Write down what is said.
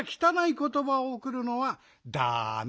ことばをおくるのはだめ。